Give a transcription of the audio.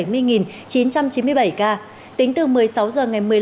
tính từ một mươi sáu h ngày hôm nay